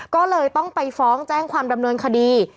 ก็เลยต้องไปฟ้องแจ้งความดำเนินคดี